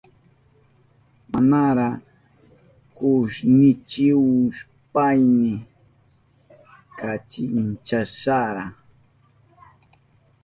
Manara kushnichihushpayni kachinchashara.